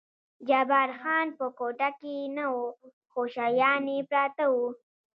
جبار خان په کوټه کې نه و، خو شیان یې پراته و.